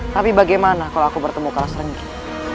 tapi bagaimana kalau aku bertemu kalas renggit